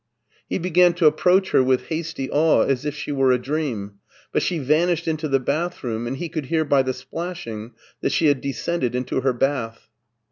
He began to approach her with hasty awe as if she were a dream, but she vanished into the bathroom and he could hear by the splai^ing that she had descended into her bath.